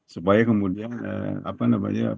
supaya kemudian apa namanya